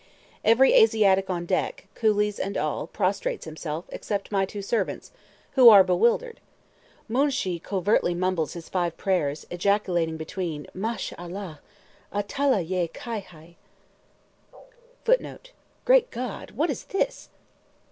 Every Asiatic on deck, coolies and all, prostrates himself, except my two servants, who are bewildered. Moonshee covertly mumbles his five prayers, ejaculating between, Mash Allah! A Tala yea kia hai? [Footnote: "Great God! what is this?"